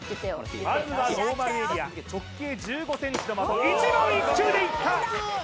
まずはノーマルエリア直径１５ｃｍの的１番１球でいった！